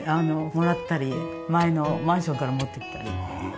もらったり前のマンションから持ってきたり。